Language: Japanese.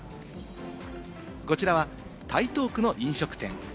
こちらは台東区の飲食店。